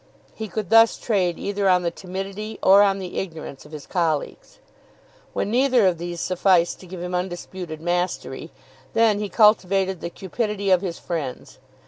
He could thus trade either on the timidity or on the ignorance of his colleagues. When neither of these sufficed to give him undisputed mastery, then he cultivated the cupidity of his friends.